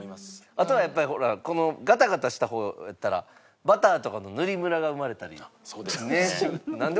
あとはやっぱりほらこのガタガタした方やったらバターとかの塗りむらが生まれたり。